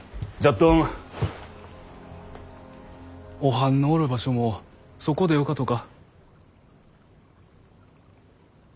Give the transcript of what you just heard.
どんおはんのおる場所もそこでよかとか？